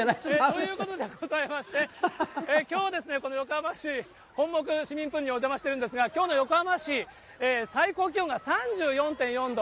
ということでございまして、きょうは、この横浜市本牧市民プールにお邪魔してるんですが、きょうの横浜市、最高気温が３４．４度。